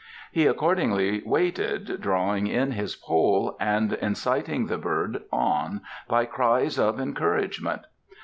He accordingly waited, drawing in his pole, and inciting the bird on by cries of encouragement.